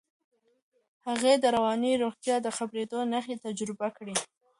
هغې د رواني روغتیا د خرابېدو نښې تجربه کړې.